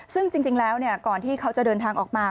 ซึ่งจริงแล้วก่อนที่เขาจะเดินทางออกมา